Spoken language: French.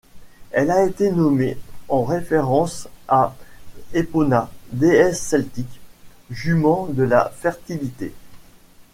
Elle a été nommée en référence à Epona, déesse celtique, jument de la fertilité.